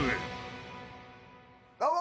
どうも。